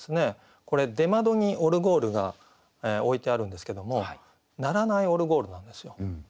これ出窓にオルゴールが置いてあるんですけどもならないオルゴールなんですよ。